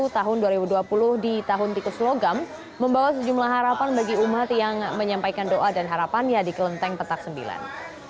dua ribu lima ratus tujuh puluh satu tahun dua ribu dua puluh di tahun tikus logam membawa sejumlah harapan bagi umat yang menyampaikan doa dan harapan di kelenteng petak sembilan